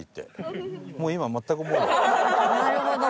なるほど。